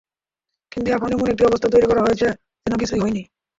কিন্তু এখন এমন একটি অবস্থা তৈরি করা হয়েছে, যেন কিছুই হয়নি।